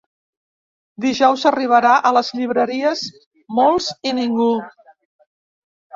Dijous arribarà a les llibreries Molts i ningú.